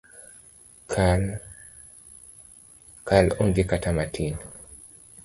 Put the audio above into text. Kal onge kata matin